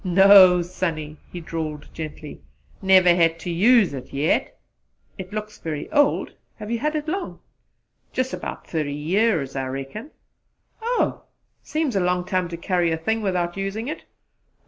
"No, Sonny," he drawled gently, "never hed ter use it yet!" "It looks very old. Have you had it long?" "Jus' 'bout thirty years, I reckon!" "Oh! Seems a long time to carry a thing without using it!"